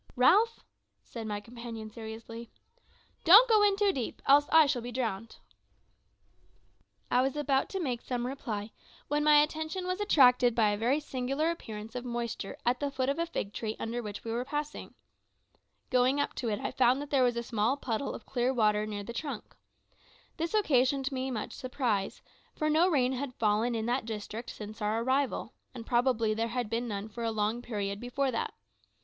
"Ralph," said my companion seriously, "don't go in too deep, else I shall be drowned!" I was about to make some reply, when my attention was attracted by a very singular appearance of moisture at the foot of a fig tree under which we were passing. Going up to it I found that there was a small puddle of clear water near the trunk. This occasioned me much surprise, for no rain had fallen in that district since our arrival, and probably there had been none for a long period before that.